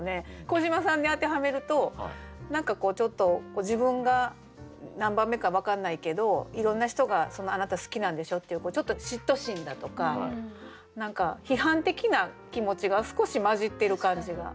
小島さんに当てはめると何かこうちょっと自分が何番目か分かんないけどいろんな人があなた好きなんでしょっていうちょっと嫉妬心だとか何か批判的な気持ちが少し混じってる感じがしますね。